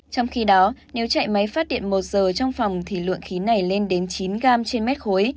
trong khi đó nếu chạy máy phát điện một giờ trong phòng thì lượng khí này lên đến chín gram trên mét khối